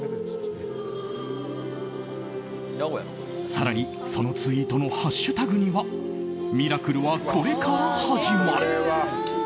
更に、そのツイートのハッシュタグには「＃ミラクルはこれから始まる」。